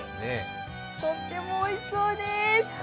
とてもおいしそうです。